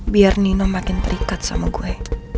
biar nino makin terikat sama gue